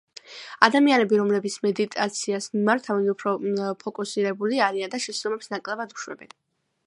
ადამიანები, რომლებიც მედიტაციას მიმართავენ, უფრო ფოკუსირებულები არიან და შეცდომებს ნაკლებად უშვებენ.